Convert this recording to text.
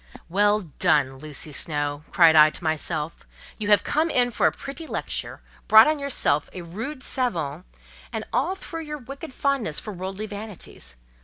"Well done, Lucy Snowe!" cried I to myself; "you have come in for a pretty lecture—brought on yourself a 'rude savant,' and all through your wicked fondness for worldly vanities!